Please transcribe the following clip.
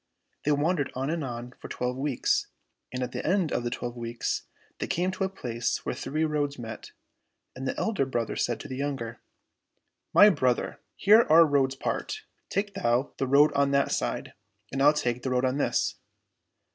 They wandered on and on for twelve weeks, and at the end of the twelve weeks they came to a place where three roads met, and the elder brother said to the younger, " My brother, here our roads part. Take thou the road on that side, and I'll take the road on this."